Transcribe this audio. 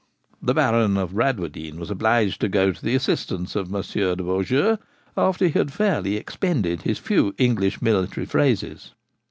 The Baron of Bradwardine was obliged to go to the assistance of Monsieur de Beaujeu, after he had fairly expended his few English military phrases.